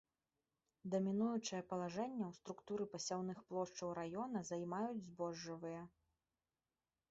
Дамінуючае палажэнне ў структуры пасяўных плошчаў раёна займаюць збожжавыя.